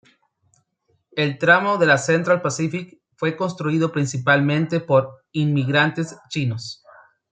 El tramo de la Central Pacific fue construido principalmente por inmigrantes chinos.